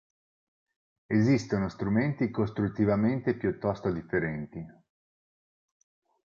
Esistono strumenti costruttivamente piuttosto differenti.